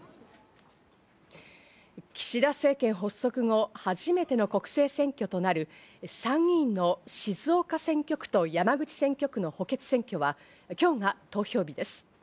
岸田政権発足後、初めての国政選挙となる参議院の静岡選挙区と山口選挙区の補欠選挙は今日が投票日です。